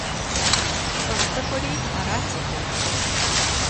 ЛӀыжь цӀыкӀури арат зыхуеиххэр.